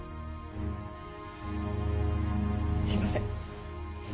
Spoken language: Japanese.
すいません。